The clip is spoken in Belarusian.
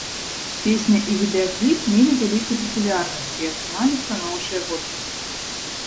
Песня і відэакліп мелі вялікую папулярнасць і атрымалі станоўчыя водгукі.